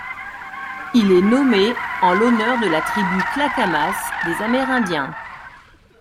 Il est nommé en l'honneur de la tribu Clackamas des Amérindiens.